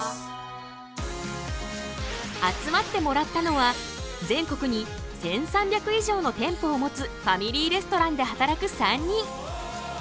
集まってもらったのは全国に１，３００以上の店舗を持つファミリーレストランで働く３人。